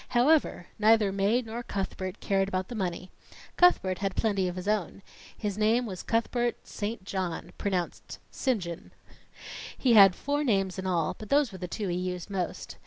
However, neither Mae nor Cuthbert cared about the money. Cuthbert had plenty of his own. His name was Cuthbert St. John. (Pronounced Sinjun.) He had four names in all, but those were the two he used the most.